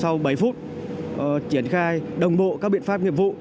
sau bảy phút triển khai đồng bộ các biện pháp nghiệp vụ